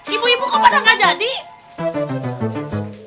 ibu ibu kok pada gak jadi